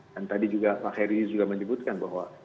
dan tadi juga pak heri juga menyebutkan bahwa